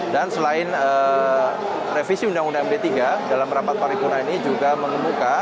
dan selain revisi undang undang md tiga dalam rapat paripurna ini juga mengembuka